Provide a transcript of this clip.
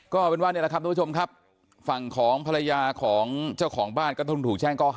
ก็เป็นว่าเนี่ยแหละครับทุกผู้ชมครับฝั่งของฝรรยาของเจ้าของบ้านก็ถึงถูกแช่งกันเลยนะครับ